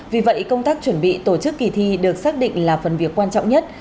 vì vậy công tác chuẩn bị tổ chức kỳ thi được xác định là phần việc quan trọng nhất